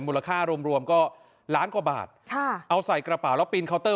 มูลค่ารวมรวมก็ล้านกว่าบาทค่ะเอาใส่กระเป๋าแล้วปีนเคานเตอร์